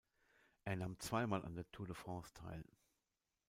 Er nahm zwei Mal an der Tour de France teil.